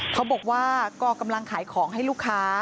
เขาบอกว่าก็กำลังขายของให้ลูกค้า